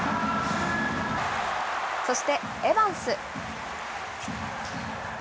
そしてエバンス。